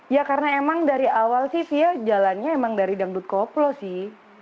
ya karena emang dari awal sih fia jalannya emang dari dangdut koplo sih